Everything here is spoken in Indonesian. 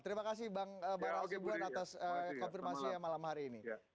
terima kasih bang bara hasibuan atas konfirmasinya malam hari ini